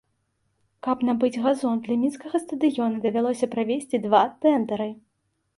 Каб набыць газон для мінскага стадыёна, давялося правесці два тэндары.